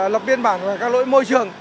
lập biên bản về các lỗi môi trường